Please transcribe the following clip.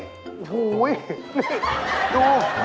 โอ๊ยนี่ดู